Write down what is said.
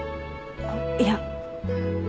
あっいや。